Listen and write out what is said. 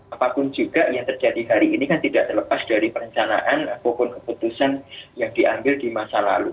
apapun juga yang terjadi hari ini kan tidak terlepas dari perencanaan maupun keputusan yang diambil di masa lalu